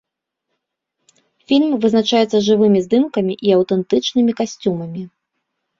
Фільм вызначаецца жывымі здымкамі і і аўтэнтычнымі касцюмамі.